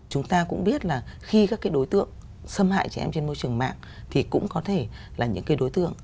chúng ta cũng biết là khi các cái đối tượng xâm hại trẻ em trên môi trường mạng thì cũng có thể là những cái đối tượng